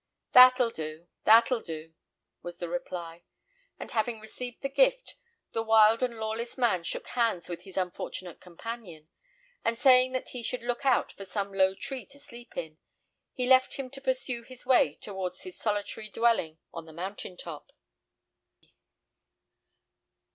"That'll do that'll do," was the reply. And having received the gift, the wild and lawless man shook hands with his unfortunate companion, and saying that he should look out for some low tree to sleep in, he left him to pursue his way towards his solitary dwelling on the mountain top.